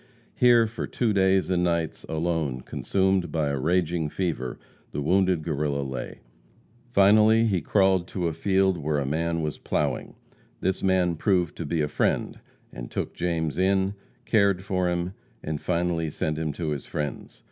Here, for two days and nights, alone, consumed by a raging fever, the wounded Guerrilla lay. Finally he crawled to a field where a man was ploughing. This man proved to be a friend, and took James in, cared for him, and finally sent him to his friends.